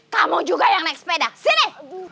kamu juga yang naik sepeda sini